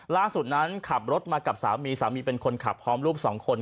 ล่าสุดนั้นขับรถมากับสามีสามีเป็นคนขับพร้อมลูกสองคน